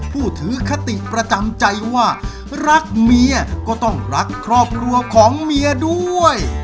ผู้ถือคติประจำใจว่ารักเมียก็ต้องรักครอบครัวของเมียด้วย